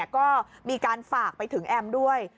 ก็มีการฝากไปถึงแอมด้วย